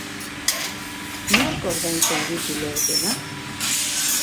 Nork ordaintzen ditu lo-etenak?